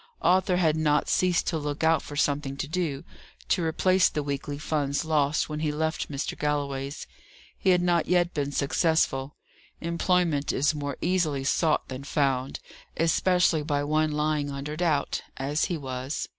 Arthur had not ceased to look out for something to do, to replace the weekly funds lost when he left Mr. Galloway's. He had not yet been successful: employment is more easily sought than found, especially by one lying under doubt, as he was.